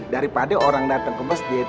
daripada orang datang ke masjid